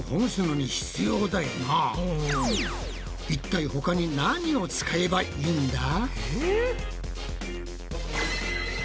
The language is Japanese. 一体他になにを使えばいいんだ？え？